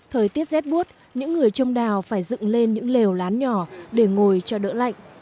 thời tiết rét buốt những người trong đào phải dựng lên những lều lán nhỏ để ngồi cho đỡ lạnh